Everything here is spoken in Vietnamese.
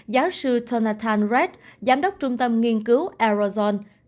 giáo sư jonathan redd giám đốc trung tâm nghiên cứu arizona